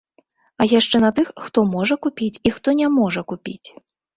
А яшчэ на тых, хто можа купіць і хто не можа купіць.